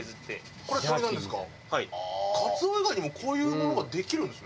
カツオ以外にもこういうものができるんですね。